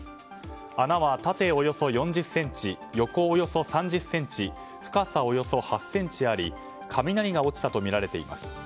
穴は縦およそ４０ｃｍ横およそ３０ｃｍ深さおよそ８ｃｍあり雷が落ちたとみられています。